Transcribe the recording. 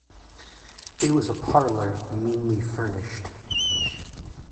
It was a parlour meanly furnished.